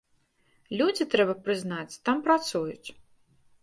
Людзі, трэба, прызнаць, там працуюць.